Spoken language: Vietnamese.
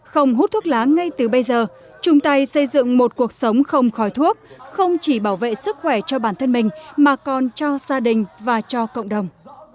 không hút thuốc lá ngay từ bây giờ chung tay xây dựng một cuộc sống không khói thuốc không chỉ bảo vệ sức khỏe cho bản thân mình mà còn cho gia đình và cho cộng đồng